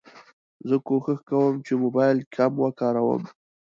زه کوښښ کوم چې موبایل کم وکاروم.